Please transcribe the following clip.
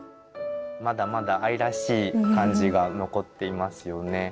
まだまだ愛らしい感じが残っていますよね。